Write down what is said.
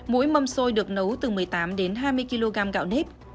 mũi mâm xôi được nấu từ một mươi tám đến hai mươi kg gạo nếp